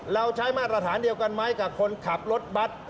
เราใช้มาตรฐานเดียวกันไหมกับคนขับรถบัตร